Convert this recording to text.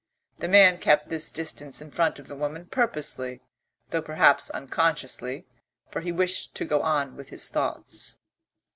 The man kept this distance in front of the woman purposely, though perhaps unconsciously, for he wished to go on with his thoughts.